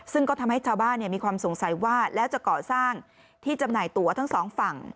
ซึ่งก็ทำให้ชาวบ้านมีความสงสัยว่าแล้วจะก่อสร้างที่จำหน่ายตัวทั้งสองฝั่ง